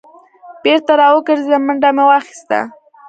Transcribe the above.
بېرته را وګرځېدم منډه مې واخیسته.